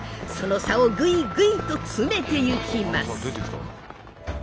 その差をぐいぐいと詰めてゆきます。